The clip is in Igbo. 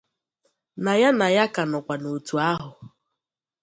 na ya na ka nọkwa n'òtù ahụ.